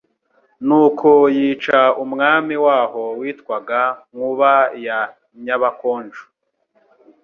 Nuko yica Umwami waho witwaga NKUBA YA NYABAKONJO,